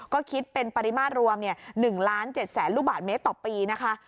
ก็คิดเป็นปริมาณรวม๑๗๐๐๐๐๐ลูกบาทเมตรต่อปีนะคะ